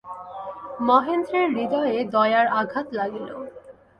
মহেন্দ্রের হৃদয়ে দয়ার আঘাত লাগিল।